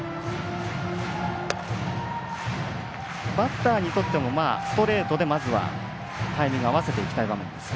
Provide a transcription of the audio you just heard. バッターにとってもストレートでまずはタイミング合わせていきたい場面ですか。